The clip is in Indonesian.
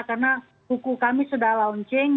karena buku kami sudah launching